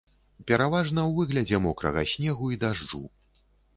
Пераважна ў выглядзе мокрага снегу і дажджу.